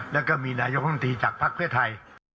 แล้วก็มีนายกข้างดีจากภาคเทพไทย